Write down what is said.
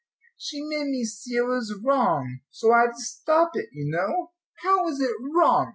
she made me see it was wrong; so I had to stop it, you know." "How is it wrong?"